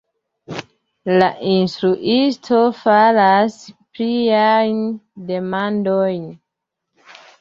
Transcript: La instruisto faras pliajn demandojn: